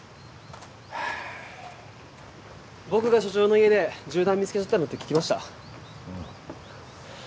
僕が署長の家で銃弾見つけちゃったのって聞きました？